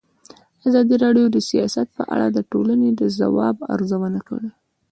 ازادي راډیو د سیاست په اړه د ټولنې د ځواب ارزونه کړې.